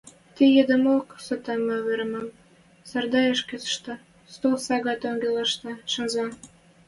Тӹ йыдымок, сотеммӹ веремӓн, Сардай ӹшкетшӹ стӧл сага тӧнгӹлӹштӹ шӹнзӓ.